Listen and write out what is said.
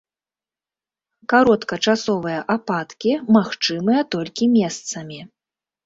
Кароткачасовыя ападкі магчымыя толькі месцамі.